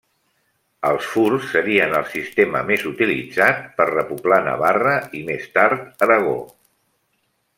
Els furs serien el sistema més utilitzat per repoblar Navarra i més tard Aragó.